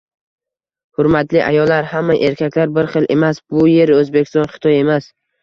Hurmatli ayollar, hamma erkaklar bir xil emas! Bu yer O'zbekiston, Xitoy emas...